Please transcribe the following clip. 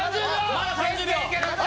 まだ３０秒！